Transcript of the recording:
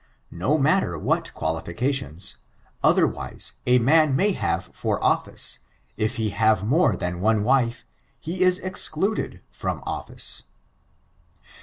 No matter what qualificadons, otherwise, a man may have for office, if he have more than one wife, he is excluded from office.